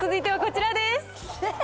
続いてはこちらです。